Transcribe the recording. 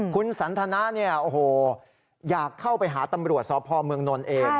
คุณสันทนะโอ้โหอยากเข้าไปหาตำรวจสพเมืองนนท์เอง